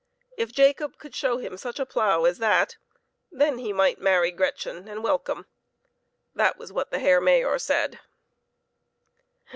If Jacob would show him such a plough as that, then he might marry Gretchen and welcome. That was what the Herr Mayor said.